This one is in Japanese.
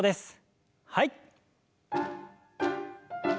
はい。